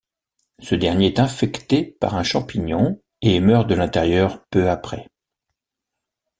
Ce dernier est infecté par un champignon et meurt de l'intérieur peu après.